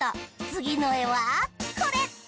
つぎのえはこれ！